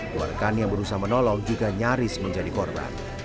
keluarganya yang berusaha menolong juga nyaris menjadi korban